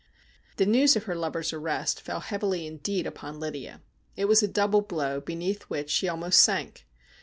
The news of her lover's arrest fell heavily indeed upon Lydia. It was a double blow beneath which she almost sank.